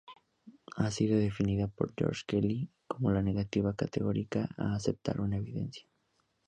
Ha sido definida por George Kelly como la negativa categórica a aceptar una evidencia.